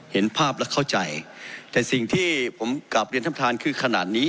เห็นภาพแล้วเข้าใจแต่สิ่งที่ผมกลับเรียนท่านประธานคือขนาดนี้